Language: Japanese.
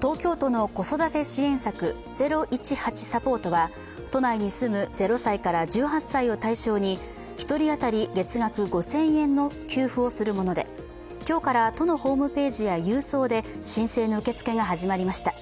東京都の子育て支援策０１８サポートは都内に住む０歳から１８歳を対象に１人当たり月額５０００円の給付をするもので今日から都のホームページや勇壮などで申請が始まりました。